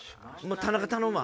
田中頼むわ。